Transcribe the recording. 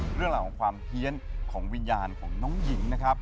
เรื่องราวของความเพี้ยนของวิญญาณของน้องหญิงนะครับ